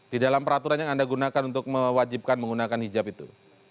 di dalam peraturan yang anda gunakan untuk mewajibkan menggunakan hijab itu